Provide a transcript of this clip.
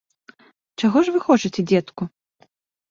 Чаго ж вы хочаце, дзедку?